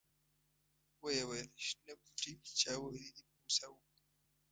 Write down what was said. ویې ویل شنه بوټي چا وهلي دي په غوسه و.